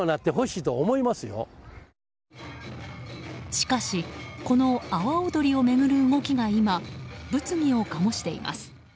しかしこの阿波踊りを巡る動きが今、物議を醸しています。